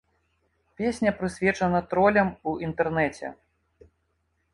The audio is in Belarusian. Песня прысвечана тролям у інтэрнэце.